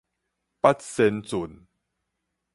八仙圳